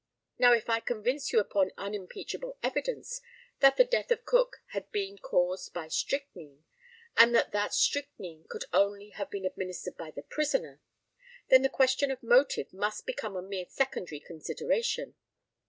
Now if I convince you upon unimpeachable evidence that the death of Cook had bean caused by strychnine, and that that strychnine could only have been administered by the prisoner, then the question of motive must become a mere secondary consideration.